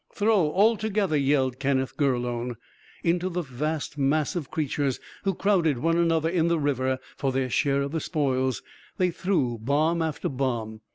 "Throw, all together," yelled Kenneth Gurlone. Into the vast mass of creatures, who crowded one another in the river for their share of the spoils, they threw bomb after bomb.